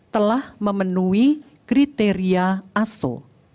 telah memenuhi kriteria aso